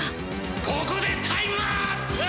ここでタイムアップ！